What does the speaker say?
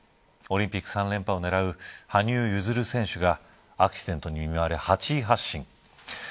オリンピック３連覇を狙う羽生結弦選手がアクシデントに見舞われ８位発進。